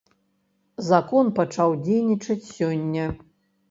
Закон пачаў дзейнічаць сёння.